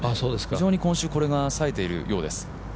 非常に今週、これがさえているようです